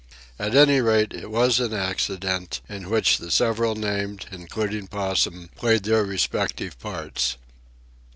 At any rate, it was an accident, in which the several named, including Possum, played their respective parts.